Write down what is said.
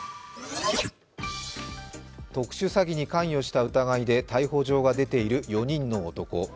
特殊詐欺に関与した疑いで逮捕状が出ている４人の男。